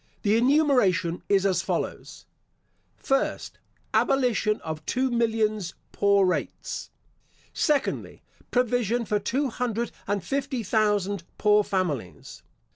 The enumeration is as follows: First, Abolition of two millions poor rates. Secondly, Provision for two hundred and fifty thousand poor families.